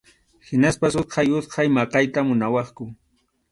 Hinaspas utqay utqay maqayta munawaqku.